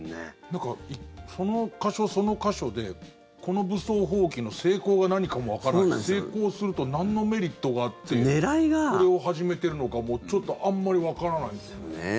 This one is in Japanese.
なんかその箇所その箇所でこの武装蜂起の成功が何かもわからないし成功するとなんのメリットがあってそれを始めているのかもちょっとあんまりわからないです。